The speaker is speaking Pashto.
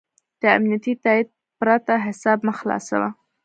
د امنیتي تایید پرته حساب مه خلاصوه.